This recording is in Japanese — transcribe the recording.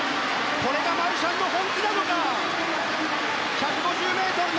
これがマルシャンの本気なのか。